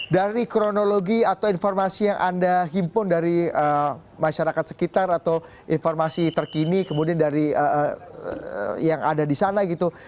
dari kronologi atau informasi yang anda himpun dari masyarakat sekitar atau informasi terkini kemudian dari yang ada di sana gitu